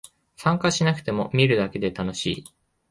参加しなくても見てるだけで楽しい